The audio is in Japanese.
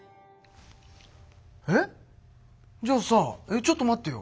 えっじゃあさちょっと待ってよ